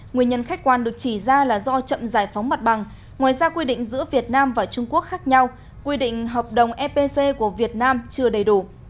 nguyên nhân khách quan được chỉ ra là do chậm giải phóng mặt bằng ngoài ra quy định giữa việt nam và trung quốc khác nhau quy định hợp đồng epc của việt nam chưa đầy đủ